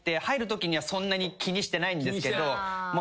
入るときにはそんなに気にしてないんですけど。